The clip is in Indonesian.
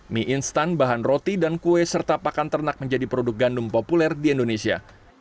mie instan bahan roti dan kue serta pakan ternak menjadi produk gandum populer di indonesia